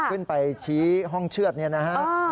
ขึ้นไปชี้ห้องเชือดเนี่ยนะฮะ